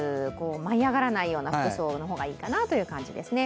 舞い上がらないような服装の方がいいかなという感じですね。